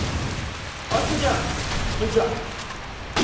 秋香ちゃんこんにちは。